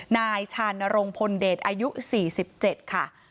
นายชานรงพลเดชอายุ๔๗ค่ะ